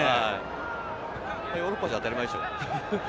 ヨーロッパじゃ、当たり前でしょ？